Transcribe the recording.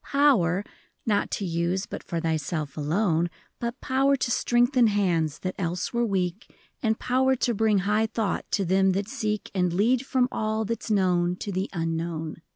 m. Power, — not to use but for thyself alone, But power to strengthen hands that else were weak, And power to bring high thought to them that seek, And lead from all that 's known to the Unknown.